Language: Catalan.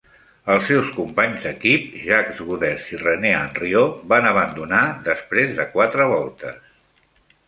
Els seus companys d'equip Jacques Guders i Rene Hanriot van abandonar després de quatre voltes.